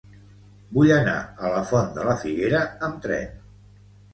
Vull anar a la Font de la Figuera amb tren.